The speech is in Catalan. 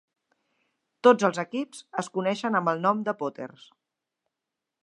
Tots els equips es coneixen amb el nom de Potters.